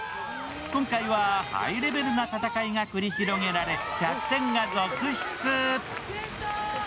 今回はハイレベルな戦いが繰り広げられ、１００点が続出。